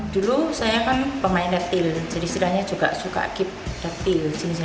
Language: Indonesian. dulu saya kan pemain reptil jadi istilahnya juga suka keep reptil